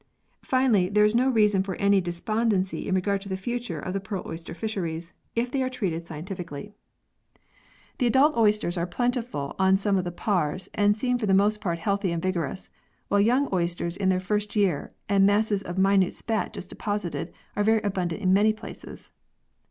Finally, there is no reason for any despondency in regard to the future of the pearl oyster fisheries, if they are treated scientifically. x] PEARLS AND SCIENCE 133 The adult oysters are plentiful on some of the Paars and seem for the most part healthy and vigorous ; while young oysters in their first year, and masses of minute spat just deposited, are very abundant in many places.